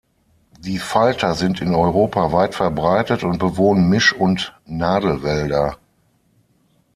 Die Falter sind in Europa weit verbreitet und bewohnen Misch- und Nadelwälder.